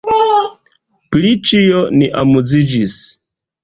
Pri ĉio ni amuziĝis.